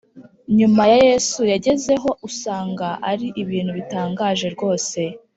nyuma ya yesu yagezeho usanga ari ibintu bitangaje rwose